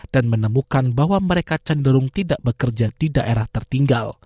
dan menemukan bahwa mereka cenderung tidak bekerja di daerah tertinggal